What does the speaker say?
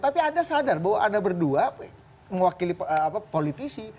tapi anda sadar bahwa anda berdua mewakili politisi